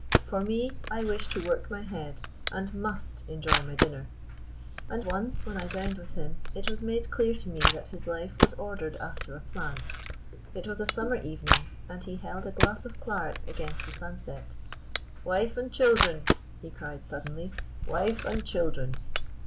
For me, I wish to work my head, and must enjoy my dinner." And once, when I dined with him, it was made clear to me that his life was ordered after a plan. It was a summer evening, and he held a glass of claret against the sunset. "Wife and children!" he cried suddenly, "wife and children!"